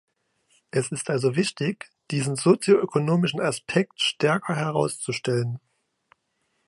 Es ist also wichtig, diesen sozio-ökonomischen Aspekt stärker herauszustellen.